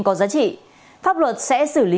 có giá trị pháp luật sẽ xử lý